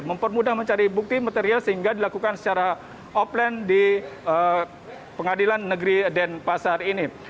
mempermudah mencari bukti material sehingga dilakukan secara offline di pengadilan negeri denpasar ini